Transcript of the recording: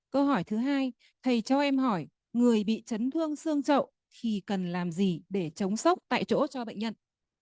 câu hỏi thứ hai thầy cho em hỏi người bị chấn thương xương trậu thì cần làm gì để chống sốc tại chỗ cho bệnh nhân